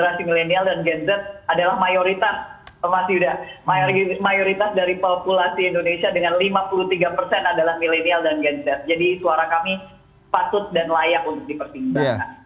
jadi suara kami patut dan layak untuk dipertimbangkan